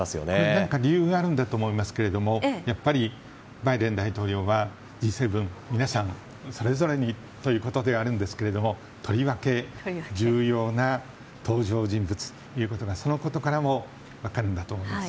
何か理由があるんだと思いますがやっぱりバイデン大統領はＧ７、皆さんそれぞれにということであるんですがとりわけ重要な登場人物ということがそのことからも分かるんだと思います。